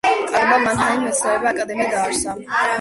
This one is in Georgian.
კარლმა მანჰაიმში მეცნიერებათა აკადემია დააარსა.